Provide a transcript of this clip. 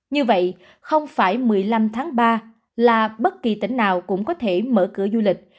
như vậy không phải một mươi năm tháng ba là bất kỳ tỉnh nào cũng có thể mở cửa du lịch